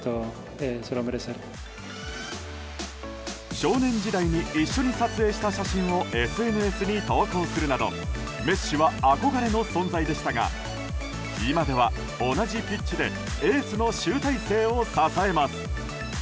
少年時代に一緒に撮影した写真をＳＮＳに投稿するなどメッシは憧れの存在でしたが今では同じピッチでエースの集大成を支えます。